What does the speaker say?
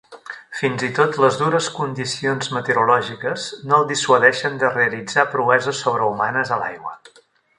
Fins i tot les dures condicions meteorològiques no el dissuadeixen de realitzar proeses sobrehumanes a l'aigua.